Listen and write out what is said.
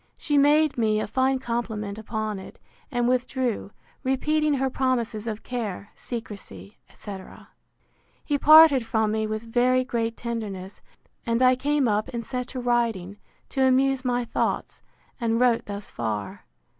She made me a fine compliment upon it, and withdrew, repeating her promises of care, secrecy, etc. He parted from me with very great tenderness; and I came up and set to writing, to amuse my thoughts, and wrote thus far.